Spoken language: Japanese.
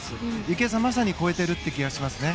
池江さん、まさに超えているという気がしますね。